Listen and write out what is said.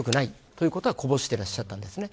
ということはこぼしてらっしゃったんですね。